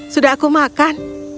sudah aku makan